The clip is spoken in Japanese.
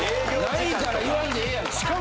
ないから言わんでええやんか。